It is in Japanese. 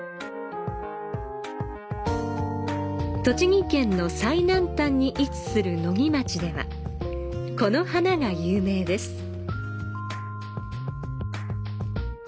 栃木県の最南端に位置する野木町では、この花が有名です。